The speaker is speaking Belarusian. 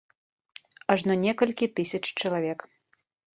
Ажно некалькі тысяч чалавек.